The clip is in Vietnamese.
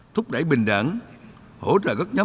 thúc đẩy bình đẳng hỗ trợ các nhóm